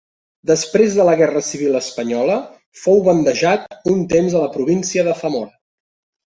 Després de la guerra civil espanyola fou bandejat un temps a la província de Zamora.